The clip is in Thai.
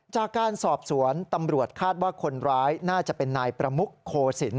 จากการสอบสวนตำรวจคาดว่าคนร้ายน่าจะเป็นนายประมุกโคศิลป